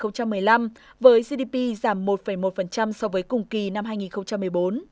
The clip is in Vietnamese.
nhu cầu tiêu dùng cá nhân của nhật bản giảm một một so với cùng kỳ năm hai nghìn một mươi bốn